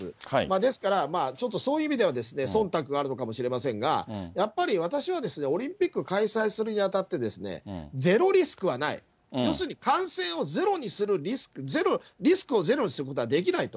ですから、ちょっとそういう意味では、そんたくがあるのかもしれませんが、やっぱり私は、オリンピック開催するにあたって、ゼロリスクはない、要するに感染をゼロにする、リスクをゼロにすることはできないと。